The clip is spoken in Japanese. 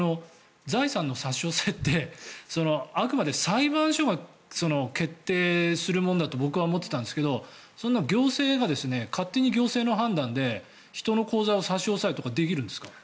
財産の差し押さえって、あくまで裁判所が決定するものだと僕は思っていたんですけど行政が勝手に行政の判断で人の口座を差し押さえるとかできるんですか。